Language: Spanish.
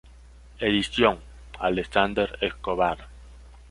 Edición: Alexander Escobar.